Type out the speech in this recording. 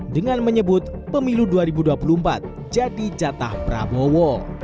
dengan menyebut pemilu dua ribu dua puluh empat jadi jatah prabowo